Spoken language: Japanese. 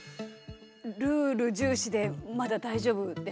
ルール重視でまだ大丈夫ですか？